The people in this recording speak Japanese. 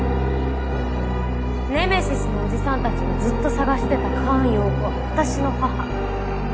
ネメシスのおじさんたちがずっと捜してた菅容子は私の母。